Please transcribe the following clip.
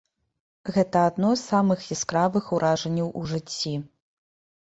Гэта адно з самых яскравых уражанняў у жыцці.